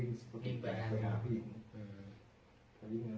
ตอนนี้ผมก็โทรให้เท่านั้น